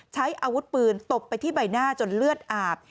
ใช้อาวุธปืนตบไปที่ใบหน้าจนเลือดอาบ